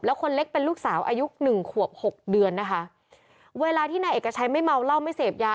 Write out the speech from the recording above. คนเล็กเป็นลูกสาวอายุหนึ่งขวบหกเดือนนะคะเวลาที่นายเอกชัยไม่เมาเหล้าไม่เสพยา